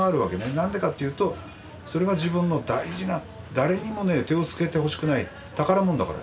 何でかっていうとそれが自分の大事な誰にも手をつけてほしくない宝物だから。